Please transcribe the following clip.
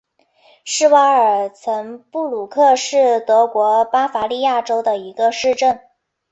施瓦尔岑布鲁克是德国巴伐利亚州的一个市镇。